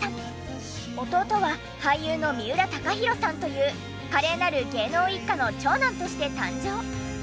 弟は俳優の三浦貴大さんという華麗なる芸能一家の長男として誕生。